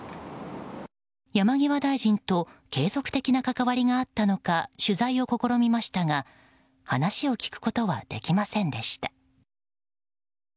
山際大臣と継続的な関わりがあったのか取材を試みましたが話を聞くことはできませんでした。